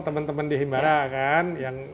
teman teman di himbara kan yang